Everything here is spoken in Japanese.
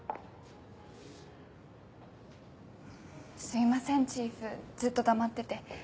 すいませんチーフずっと黙ってて。